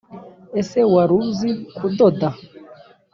Ese wari uzi kudoda